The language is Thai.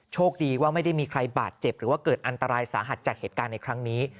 โชคดีว่าไม่ได้มีใครบาดเจ็บหรือว่าเกิดอันตรายสาหัสจากเหตุการณ์ในครั้งนี้